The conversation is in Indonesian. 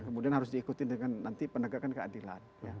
kemudian harus diikuti dengan nanti penegakan keadilan